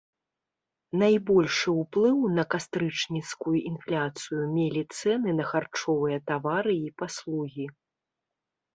Найбольшы ўплыў на кастрычніцкую інфляцыю мелі цэны на харчовыя тавары і паслугі.